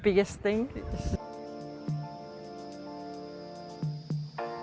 ini adalah hal terbesar